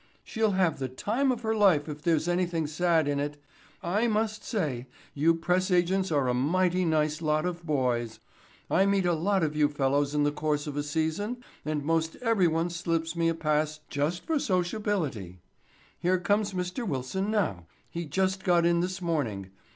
"She'll have the time of her life if there's anything sad in it. I must say you press agents are a mighty nice lot of boys. I meet a lot of you fellows in the course of a season and most every one slips me a pass just for sociability. Here comes Mr. Wilson now. He just got in this morning.